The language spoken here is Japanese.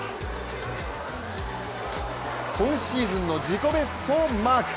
今シーズンの自己ベストをマーク。